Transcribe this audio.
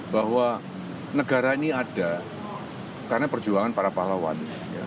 bahwa negara ini ada karena perjuangan para pahlawan